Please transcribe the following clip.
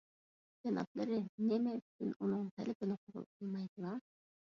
جانابلىرى نېمە ئۈچۈن ئۇنىڭ تەلىپىنى قوبۇل قىلمايدىلا؟